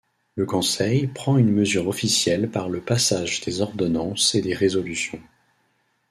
Le conseil prend une mesure officielle par le passage des ordonnances et des résolutions.